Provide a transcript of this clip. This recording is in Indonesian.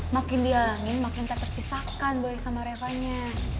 makin dialangin makin tak terpisahkan boy sama revanya